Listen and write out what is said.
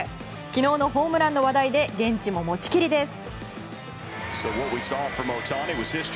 昨日のホームランの話題で現地ももちきりです。